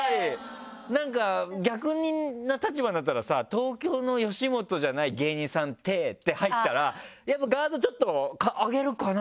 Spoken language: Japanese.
なんか逆な立場だったらさ「東京の吉本じゃない芸人さんって」って入ったらガードちょっと上げるかな？